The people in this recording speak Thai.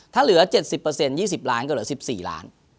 ถ้าเหลือ๗๐๒๐ล้านก็เหลือ๑๔ล้าน